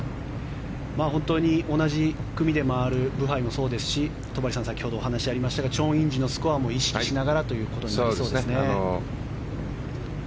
本当に同じ組で回るブハイもそうですし戸張さん先ほどお話ありましたがチョン・インジのスコアも意識しながらということになりそうですね。